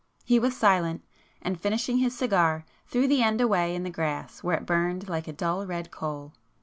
He was silent,—and finishing his cigar, threw the end away in the grass where it burned like a dull red coal.